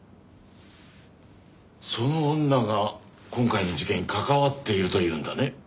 その女が今回の事件に関わっているというんだね？